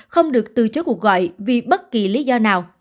không được từ chối cuộc gọi vì bất kỳ lý do nào